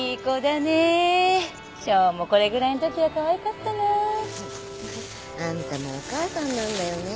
翔もこれぐらいのときはかわいかったな。あんたもお母さんなんだよね。